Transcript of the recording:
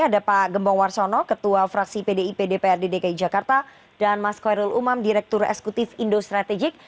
ada pak gembong warsono ketua fraksi pdi pdprd dki jakarta dan mas koirul umam direktur esekutif indostrategik